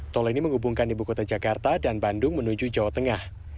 tol ini menghubungkan ibu kota jakarta dan bandung menuju jawa tengah